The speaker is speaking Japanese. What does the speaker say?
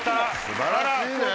すばらしいね。